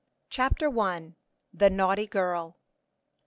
CHAPTER I. THE NAUGHTY GIRL.